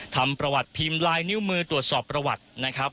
ทำประวัติพิมพ์ลายนิ้วมือตรวจสอบประวัตินะครับ